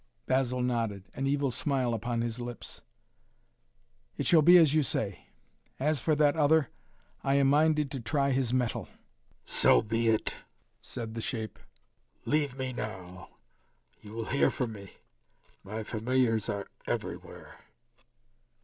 Basil nodded, an evil smile upon his lips. "It shall be as you say! As for that other I am minded to try his mettle " "So be it!" said the shape. "Leave me now! You will hear from me. My familiars are everywhere."